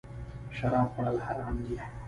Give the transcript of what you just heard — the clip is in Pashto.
شراب خوړل حرام دی